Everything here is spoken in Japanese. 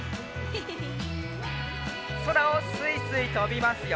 そらをすいすいとびますよ。